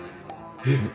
えっ。